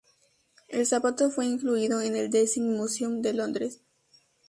El zapato fue incluido en el Design Museum de Londres.